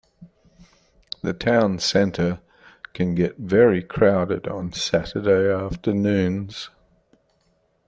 The town centre can get very crowded on Saturday afternoons